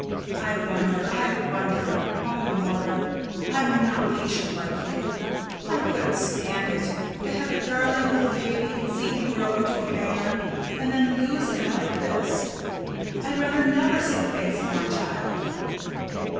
_] I wonder, I wonder. O Mother, I'm not patient like you. I couldn't stand it. To have a darling little baby and see him grow into a man, and then lose him like this! I'd rather never see the face of my child.